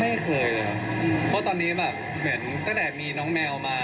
ไม่เคยครับเพราะตอนนี้แบบเหมือนตั้งแต่มีน้องแมวมา